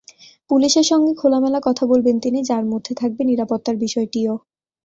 পুলিশের সঙ্গে খোলামেলা কথা বলবেন তিনি, যার মধ্যে থাকবে নিরাপত্তার বিষয়টিও।